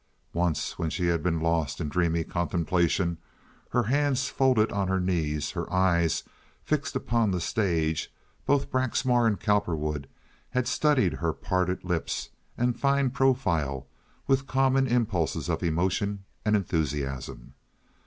Once when she had been lost in dreamy contemplation, her hands folded on her knees, her eyes fixed on the stage, both Braxmar and Cowperwood had studied her parted lips and fine profile with common impulses of emotion and enthusiasm.